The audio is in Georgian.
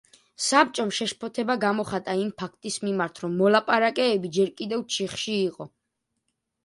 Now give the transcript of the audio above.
საბჭომ შეშფოთება გამოხატა იმ ფაქტის მიმართ, რომ მოლაპარაკებები ჯერ კიდევ ჩიხში იყო.